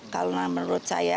kalau menurut saya